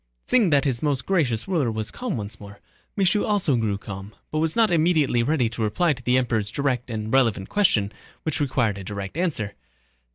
Seeing that his most gracious ruler was calm once more, Michaud also grew calm, but was not immediately ready to reply to the Emperor's direct and relevant question which required a direct answer.